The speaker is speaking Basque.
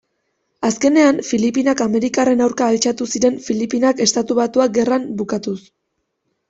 Azkenean, Filipinak amerikarren aurka altxatu ziren Filipinak-Estatu Batuak Gerran bukatuz.